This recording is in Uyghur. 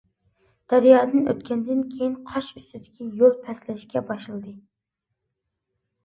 دەريادىن ئۆتكەندىن كېيىن، قاش ئۈستىدىكى يول پەسلەشكە باشلىدى.